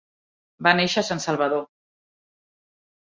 Va néixer a San Salvador.